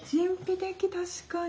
確かに。